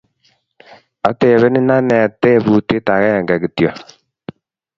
Atebenin ane tubutie agenge kityo